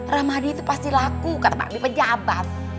ramadi itu pasti laku kata pak bi pejabat